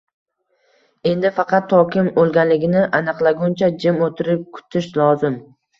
Endi faqat to kim oʻlganligini aniqlaguncha jim oʻtirib kutish lozim.